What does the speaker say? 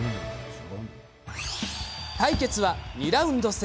対決は２ラウンド制。